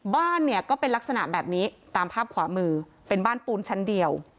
บ้านเนี่ยก็เป็นลักษณะแบบนี้ตามภาพขวามือเป็นบ้านปูนชั้นเดียว